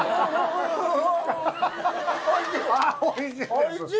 おいしい！